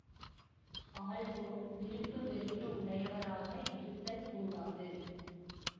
ஆள்வோர் விருப்பு வெறுப்பு உடையவராக இருத்தல் கூடாது.